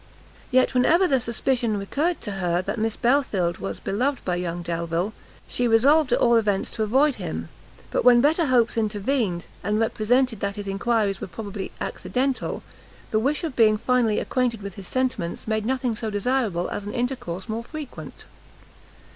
Yet whenever the suspicion recurred to her that Miss Belfield was beloved by young Delvile, she resolved at all events to avoid him; but when better hopes intervened, and represented that his enquiries were probably accidental, the wish of being finally acquainted with his sentiments, made nothing so desirable as an intercourse more frequent.